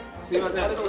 すいません。